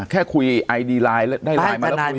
แค่คุยไอดีไลน์ได้ไลน์มาแล้วคุย